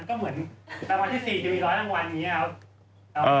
อกเลยเป็นเครื่องนะครับค่ะเออ